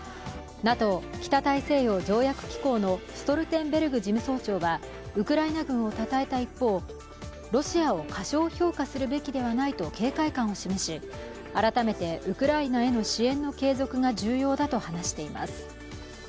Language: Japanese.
ＮＡＴＯ＝北大西洋条約機構のストルテンベルグ事務総長はウクライナ軍をたたえた一方、ロシアを過小評価するべきではないと警戒感を示し改めてウクライナへの支援の継続が重要だと話しています。